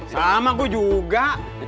sama gua juga